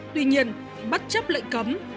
tuy nhiên bất chấp lệnh cấm